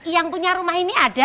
yang punya rumah ini ada